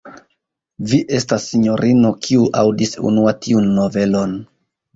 Vi estas, sinjorino, kiu aŭdis unua tiun novelon.